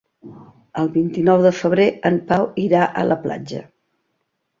El vint-i-nou de febrer en Pau irà a la platja.